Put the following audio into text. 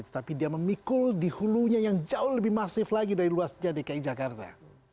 tetapi dia memikul di hulunya yang jauh lebih masif lagi dari luasnya dki jakarta